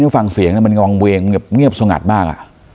ฟังเสียงมันงองเวงเงียบสงัดมาก